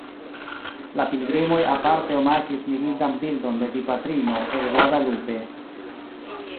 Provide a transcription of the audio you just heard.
La pilgrimoj aparte omaĝis mirindan bildon de Dipatrino el Guadalupe.